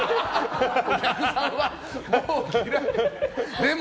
お客さん、もう嫌いかも。